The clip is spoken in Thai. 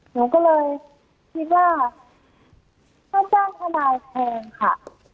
หนูก็เลยคิดว่าค่าจ้างทนายแพงค่ะ